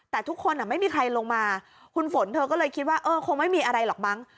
แต่ทุกคนไม่มีใครลงมาคุณฝนเธอก็เลยคิดว่าเออคงไม่มีอะไรหรอกมั้ง